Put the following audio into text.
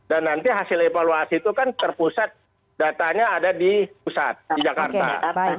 dan nanti hasil evaluasi itu kan terpusat datanya ada di pusat di jakarta